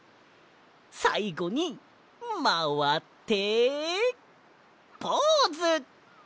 さいごにまわってポーズ！